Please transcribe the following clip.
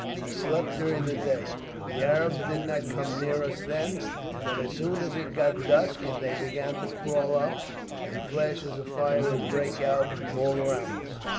We slept during the day. The Arabs did not come near us then; but as soon as it got dusk they began to crawl up, and flashes of fire would break out all round us.